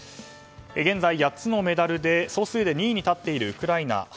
現在８つのメダルで総数で２位に立っているウクライナ。